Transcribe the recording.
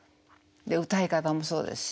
歌い方もそうですし。